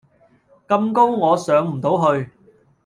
咁高我上唔到去